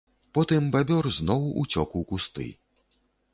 Потым бабёр зноў уцёк у кусты.